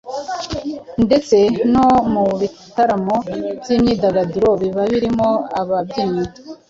ndetse no mu bitaramo by’imyidagaduro biba birimo ababyinnyi